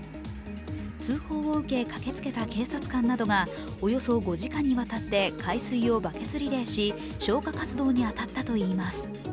通報を受け、駆けつけた警察官などがおよそ５時間にわたって海水をバケツリレーし消火活動に当たったといいます。